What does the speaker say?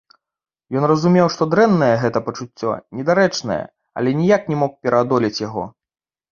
Ён разумеў, што дрэннае гэта пачуццё, недарэчнае, але ніяк не мог пераадолець яго.